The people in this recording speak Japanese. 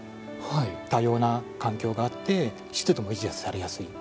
多様な環境があって湿度も維持されやすい。